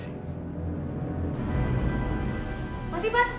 semoga kamu bahagia dengan keluarga baru kamu